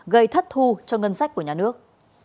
gây thất thu cho ngân sách của nhà nước